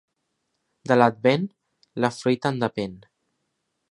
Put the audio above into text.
De l'Advent, la fruita en depèn.